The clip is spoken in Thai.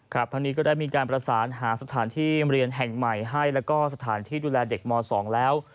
ทั้งนี้ก็ได้มีการประสานหาสถานที่เรียนแห่งใหม่ให้แล้วก็สถานที่ดูแลเด็กม๒แล้ว